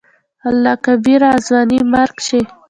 الله کبيره !ځواني مرګ شې.